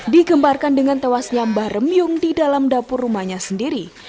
digembarkan dengan tewasnya mbah remyung di dalam dapur rumahnya sendiri